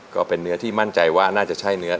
ก็เป็นเนื้อที่มั่นใจว่าน่าจะใช่เนื้อ